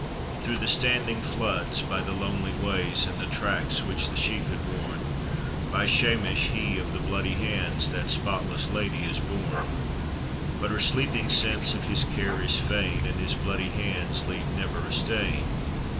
Through the standing floods, by the lonely ways, In the tracks which the sheep had worn, By Shamesh, he of the bloody hands, That spotless lady is borne ; But her sleeping sense of his care is fain, And his bloody hands leave never a stain.